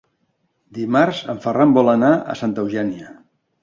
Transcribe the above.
Dimarts en Ferran vol anar a Santa Eugènia.